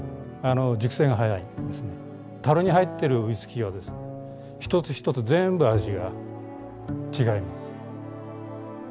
樽に入ってるウイスキーはですね一つ一つ全部味が違います。